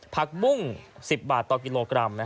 ผักบุ้ง๑๐บาทต่อกิโลกรัม